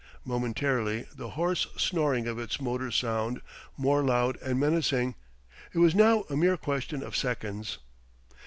Momentarily the hoarse snoring of its motor sounded more loud and menacing. It was now a mere question of seconds....